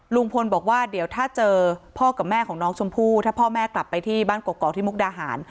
ลุงพลบอกว่าเดี๋ยวถ้าเจอพ่อกับแม่ของน้องชมพู่ถ้าพ่อแม่กลับไปที่บ้านกกอกที่มุกดาหาร